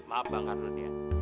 maaf bang ardun ya